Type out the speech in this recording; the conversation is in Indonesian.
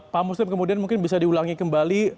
pak muslim kemudian mungkin bisa diulangi kembali